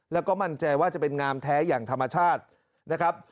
แล้วก็มั่นใจว่าจะเป็นงามแท้อย่างธรรมชาตินะครับ